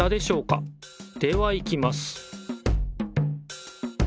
ではいきます